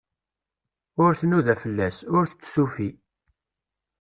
Ur tnuda fell-as, ur t-tufi.